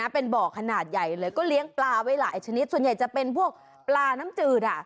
เป็นบ่อขนาดใหญ่เลยก็เลี้ยงปลาไว้หลายชนิดส่วนใหญ่จะเป็นพวกปลาน้ำจืด